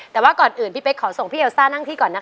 แต่ว่าก่อนอื่นพี่เป๊กขอส่งพี่เอลซ่านั่งที่ก่อนนะคะ